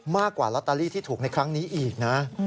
มากกว่าลอตเตอรี่ที่ถูกในครั้งนี้อีกนะ